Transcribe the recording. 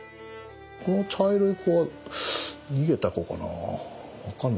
この茶色い子は逃げた子かな。